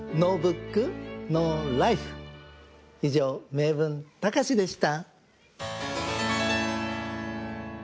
「名文たかし」でした。